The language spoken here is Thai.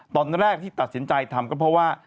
ตอนแรกที่ตัดสินใจทำก็เพราะว่า